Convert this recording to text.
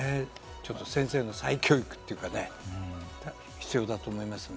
ちょっと先生の再教育というがね、必要だと思いますね。